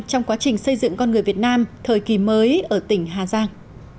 trong quá trình xây dựng con người việt nam thời kỳ mới ở tỉnh hà giang